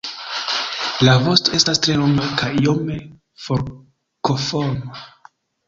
La vosto estas tre longa kaj iome forkoforma.